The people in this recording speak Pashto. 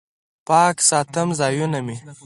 پاک ساتم ځایونه مې